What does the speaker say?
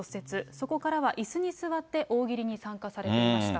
そこからはいすに座って、大喜利に参加されていました。